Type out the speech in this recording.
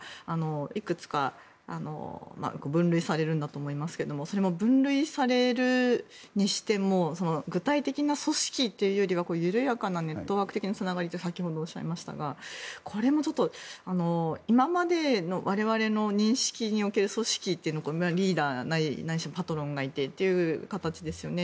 いくつか分類されるんだと思いますけれどもそれも、分類されるにしても具体的な組織というよりは緩やかなネットワーク的なつながりというふうに先ほどもおっしゃいましたがこれもちょっと、今までの我々の認識における組織というのはリーダーないしパトロンがいてという形ですよね。